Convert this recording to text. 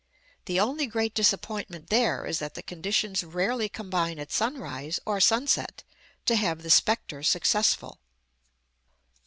The only great disappointment there is that the conditions rarely combine at sunrise or sunset to have "the spectre" successful.